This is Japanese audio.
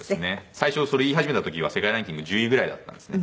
最初それ言い始めた時は世界ランキング１０位ぐらいだったんですね。